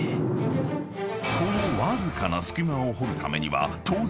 ［このわずかな隙間を掘るためには当然］